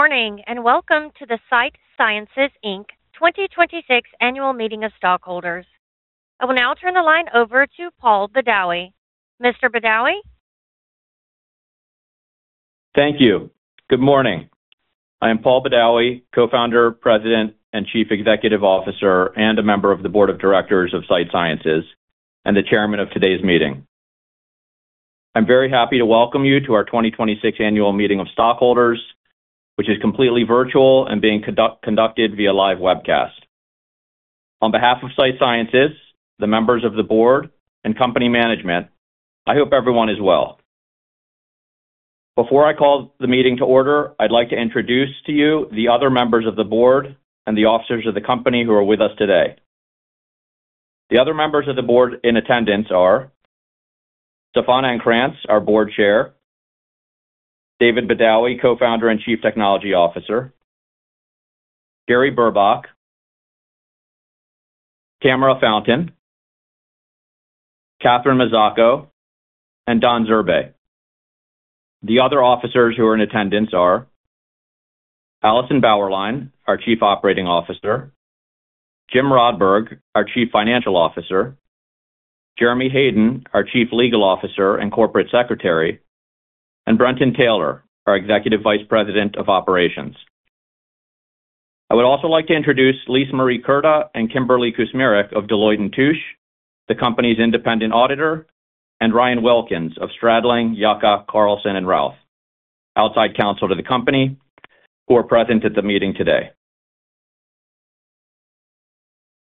Morning, welcome to the Sight Sciences Inc 2026 Annual Meeting of Stockholders. I will now turn the line over to Paul Badawi. Mr. Badawi? Thank you. Good morning. I am Paul Badawi, Co-Founder, President, and Chief Executive Officer, and a member of the Board of Directors of Sight Sciences, and the Chairman of today's meeting. I'm very happy to welcome you to our 2026 Annual Meeting of Stockholders, which is completely virtual and being conducted via live webcast. On behalf of Sight Sciences, the Members of the Board, and Company Management, I hope everyone is well. Before I call the meeting to order, I'd like to introduce to you the other members of the Board and the officers of the company who are with us today. The other members of the Board in attendance are Staffan Encrantz, our Board Chair, David Badawi, Co-Founder and Chief Technology Officer, Gary Burbach, Tamara Fountain, Catherine Mazzacco, and Don Zurbay. The other officers who are in attendance are Alison Bauerlein, our Chief Operating Officer, Jim Rodberg, our Chief Financial Officer, Jeremy Hayden, our Chief Legal Officer and Corporate Secretary, and Brenton Taylor, our Executive Vice President of Operations. I would also like to introduce LiseMarie Curda and Kimberly Kusmiruk of Deloitte & Touche, the company's independent auditor, and Ryan Wilkins of Stradling Yocca Carlson & Rauth, outside counsel to the company, who are present at the meeting today.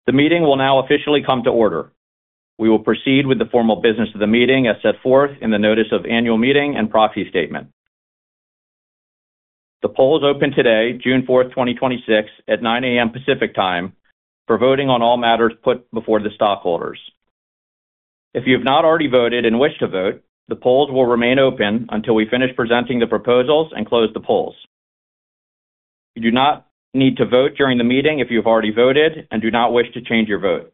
The meeting will now officially come to order. We will proceed with the formal business of the meeting as set forth in the notice of annual meeting and proxy statement. The poll is open today, June 4th, 2026, at 9:00 A.M. Pacific Time for voting on all matters put before the stockholders. If you have not already voted and wish to vote, the polls will remain open until we finish presenting the proposals and close the polls. You do not need to vote during the meeting if you have already voted and do not wish to change your vote.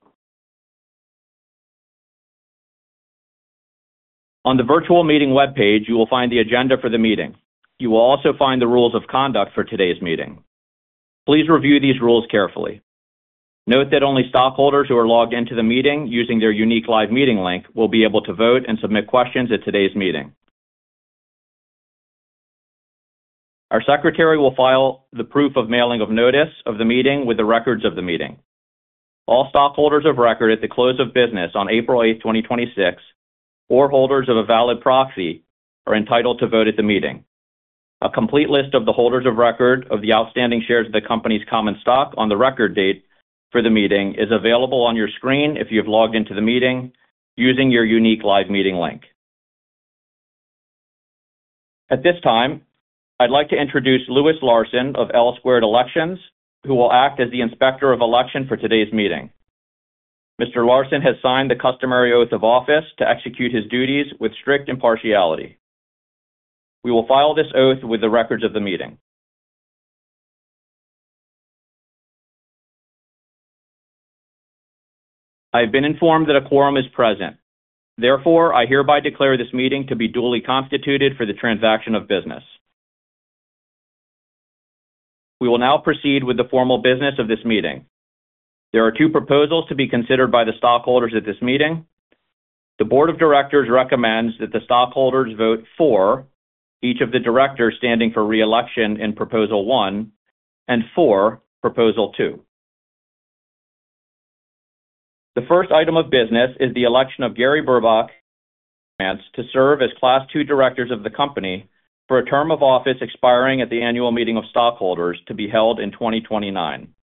On the virtual meeting webpage, you will find the agenda for the meeting. You will also find the rules of conduct for today's meeting. Please review these rules carefully. Note that only stockholders who are logged into the meeting using their unique live meeting link will be able to vote and submit questions at today's meeting. Our secretary will file the proof of mailing of notice of the meeting with the records of the meeting. All stockholders of record at the close of business on April 8th, 2026, or holders of a valid proxy are entitled to vote at the meeting. A complete list of the holders of record of the outstanding shares of the company's common stock on the record date for the meeting is available on your screen if you have logged into the meeting using your unique live meeting link. At this time, I'd like to introduce Louis Larsen of L-Squared Elections, who will act as the inspector of election for today's meeting. Mr. Larsen has signed the customary oath of office to execute his duties with strict impartiality. We will file this oath with the records of the meeting. I have been informed that a quorum is present. Therefore, I hereby declare this meeting to be duly constituted for the transaction of business. We will now proceed with the formal business of this meeting. There are two proposals to be considered by the stockholders at this meeting. The board of directors recommends that the stockholders vote for each of the directors standing for re-election in proposal one and for proposal two. The first item of business is the election of Gary Burbach and Staffan Encrantz to serve as Class II directors of the company for a term of office expiring at the annual meeting of stockholders to be held in 2029.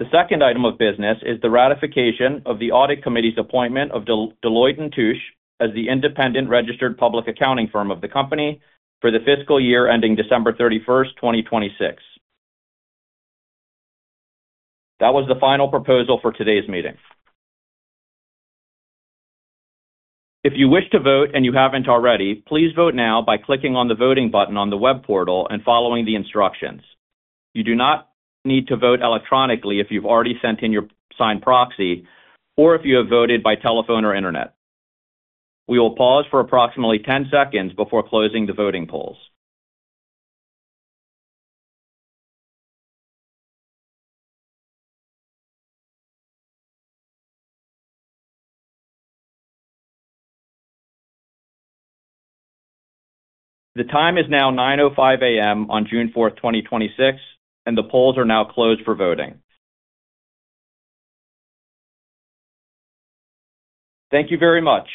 The second item of business is the ratification of the audit committee's appointment of Deloitte & Touche as the independent registered public accounting firm of the company for the fiscal year ending December 31st, 2026. That was the final proposal for today's meeting. If you wish to vote and you haven't already, please vote now by clicking on the voting button on the web portal and following the instructions. You do not need to vote electronically if you've already sent in your signed proxy or if you have voted by telephone or internet. We will pause for approximately 10 seconds before closing the voting polls. The time is now 9:05 A.M. on June 4th, 2026, and the polls are now closed for voting. Thank you very much.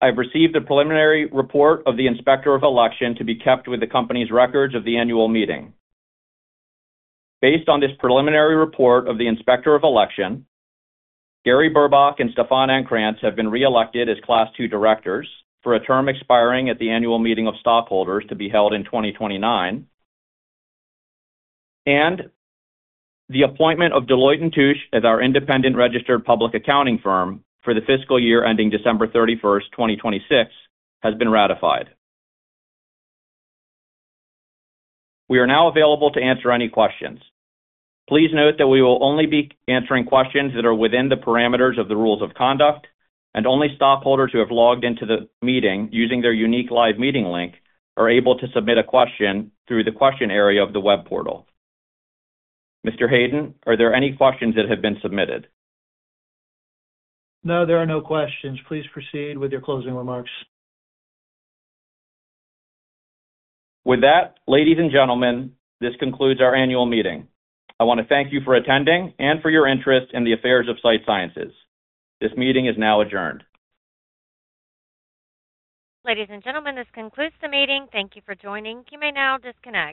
I've received a preliminary report of the inspector of election to be kept with the company's records of the annual meeting. Based on this preliminary report of the inspector of election, Gary Burbach and Staffan Encrantz have been re-elected as Class II directors for a term expiring at the annual meeting of stockholders to be held in 2029, and the appointment of Deloitte & Touche as our independent registered public accounting firm for the fiscal year ending December 31st, 2026, has been ratified. We are now available to answer any questions. Please note that we will only be answering questions that are within the parameters of the rules of conduct, and only stockholders who have logged into the meeting using their unique live meeting link are able to submit a question through the question area of the web portal. Mr. Hayden, are there any questions that have been submitted? No, there are no questions. Please proceed with your closing remarks. With that, ladies and gentlemen, this concludes our annual meeting. I want to thank you for attending and for your interest in the affairs of Sight Sciences. This meeting is now adjourned. Ladies and gentlemen, this concludes the meeting. Thank you for joining. You may now disconnect.